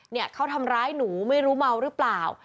เนี่ยเขาทำร้ายหนูไม่รู้เมาหรือเปล่า